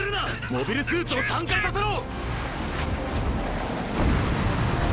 モビルスーツを散開させろ！